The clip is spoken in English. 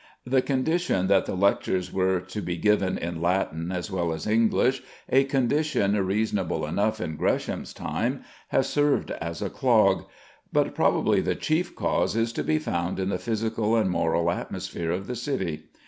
The condition that the lectures were to be given in Latin as well as English, a condition reasonable enough in Gresham's time, has served as a clog; but probably the chief cause is to be found in the physical and moral atmosphere of the city.